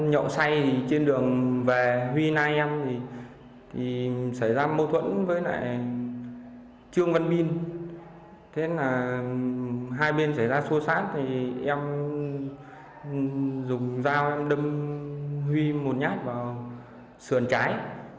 hai bên xảy ra sâu sát thì em dùng dao đâm huy một nhát vào sườn trái